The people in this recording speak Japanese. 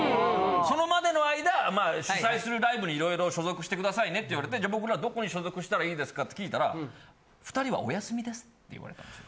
そのまでの間主催するライブにいろいろ所属してくださいねって言われてじゃあ僕らどこに所属したらいいですか？って聞いたら。って言われたんですよ。